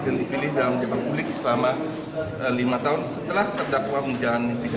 dan dipilih dalam jadwal publik selama lima tahun setelah terdakwa menjalani penjara